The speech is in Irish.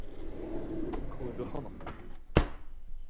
Cúige Chonnacht